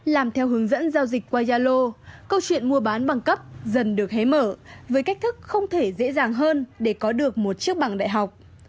làm theo hướng dẫn giao dịch qua yalo câu chuyện mua bán bằng cấp dần được hé mở với cách thức không thể dễ dàng hơn để có được một chiếc bằng đại học